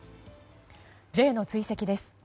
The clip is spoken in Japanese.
Ｊの追跡です。